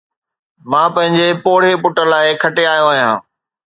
مان پنهنجي پوڙهي پٽ لاءِ کڻي آيو آهيان